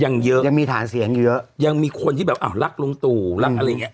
ยังเยอะยังมีฐานเสียงเยอะยังมีคนที่แบบอ้าวรักลุงตู่รักอะไรอย่างเงี้